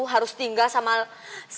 harus tinggal sama mas b